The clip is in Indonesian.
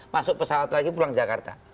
masuk pesawat lagi pulang jakarta